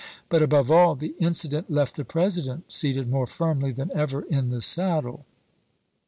But above all, the inci dent left the President seated more firmly than ever in the saddle.